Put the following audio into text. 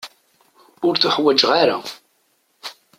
Ur tuḥwaǧeɣ ara.